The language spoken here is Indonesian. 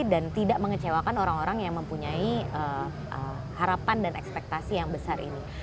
tidak mengecewakan orang orang yang mempunyai harapan dan ekspektasi yang besar ini